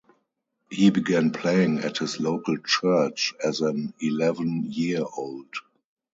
He began playing at his local church as an eleven year old.